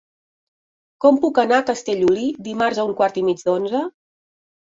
Com puc anar a Castellolí dimarts a un quart i mig d'onze?